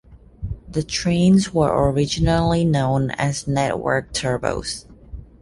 The trains were originally known as Network Turbos.